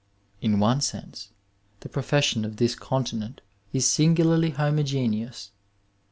In one sense the profession of this continent is singularly homogeneous.